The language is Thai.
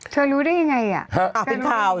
เธอรู้ได้ยังไงอ่ะอ่ะกลับไว้ข่าว